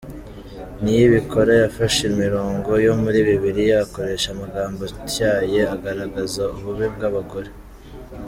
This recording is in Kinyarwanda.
Niyibikora yafashe imirongo yo muri Bibiliya, akoresha amagambo atyaye, agaragaza ububi bw’abagore.